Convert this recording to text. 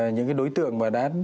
những cái đối tượng mà đã